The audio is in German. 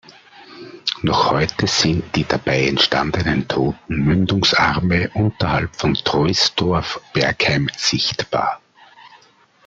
Noch heute sind die dabei entstandenen toten Mündungsarme unterhalb von Troisdorf-Bergheim sichtbar.